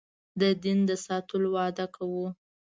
د دین د ساتلو دعوه کوو.